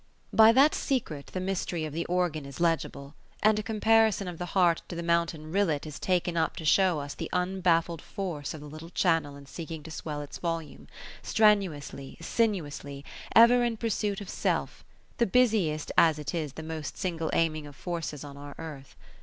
By that secret the mystery of the organ is legible: and a comparison of the heart to the mountain rillet is taken up to show us the unbaffled force of the little channel in seeking to swell its volume, strenuously, sinuously, ever in pursuit of self; the busiest as it is the most single aiming of forces on our earth.